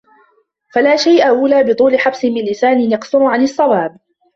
فَلَا شَيْءَ أَوْلَى بِطُولِ حَبْسٍ مِنْ لِسَانٍ يَقْصُرُ عَنْ الصَّوَابِ